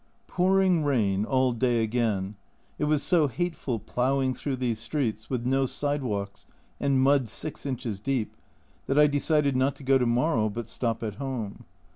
Pouring rain all day again ; it was so hateful ploughing through these streets, with no side walks and mud 6 inches deep, that I decided not to go to morrow, but stop at home.